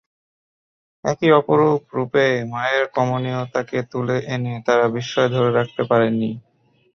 একি অপরূপ রূপে মায়ের কোমনীয়তাকে তুলে এনে তারা বিস্ময় ধরে রাখতে পারেননি।